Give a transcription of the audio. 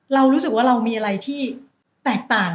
เรารู้สึกว่าเรามีอะไรที่แตกต่าง